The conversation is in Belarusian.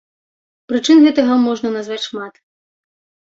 Прычын гэтага можна назваць шмат.